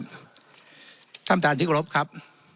ท่านพระอาณาจที่โรขครับ